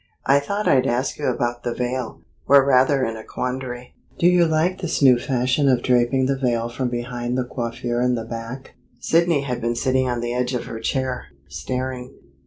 I thought I'd ask you about the veil. We're rather in a quandary. Do you like this new fashion of draping the veil from behind the coiffure in the back " Sidney had been sitting on the edge of her chair, staring.